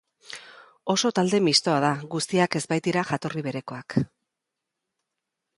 Oso talde mistoa da, guztiak ez baitira jatorri berekoak.